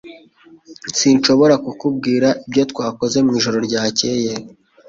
Sinshobora kukubwira ibyo twakoze mwijoro ryakeye.